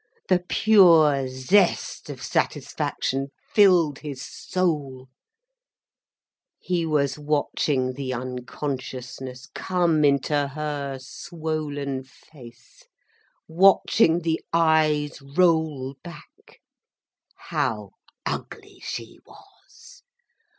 The pure zest of satisfaction filled his soul. He was watching the unconsciousness come unto her swollen face, watching the eyes roll back. How ugly she was!